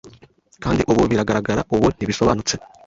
Kandi ubu biragaragara ubu ntibisobanutse